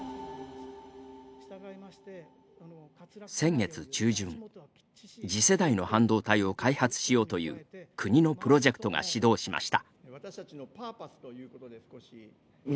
先月中旬、次世代の半導体を開発しようという国のプロジェクトが始動しました。